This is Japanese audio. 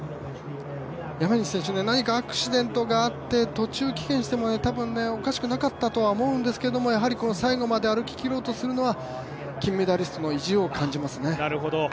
山西選手、何かアクシデントがあって途中棄権しても多分、おかしくなかったとは思うんですけどやはり最後まで歩ききろうとするのは金メダリストの意地を感じます。